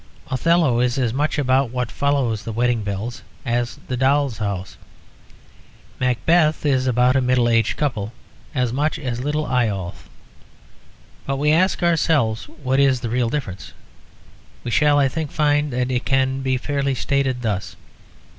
Othello is as much about what follows the wedding bells as The Doll's House. Macbeth is about a middle aged couple as much as Little Eyolf. But if we ask ourselves what is the real difference, we shall, I think, find that it can fairly be stated thus.